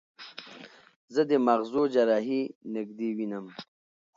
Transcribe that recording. زه د مغزو جراحي نږدې وینم.